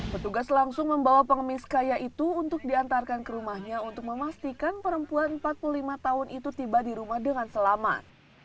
petugas langsung membawa pengemis kaya itu untuk diantarkan ke rumahnya untuk memastikan perempuan empat puluh lima tahun itu tiba di rumah dengan selamat